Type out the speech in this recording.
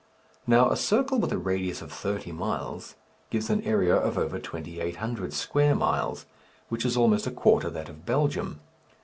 Now, a circle with a radius of thirty miles gives an area of over 2800 square miles, which is almost a quarter that of Belgium.